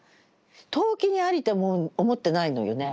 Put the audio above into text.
遠きにありて思ってないのよね。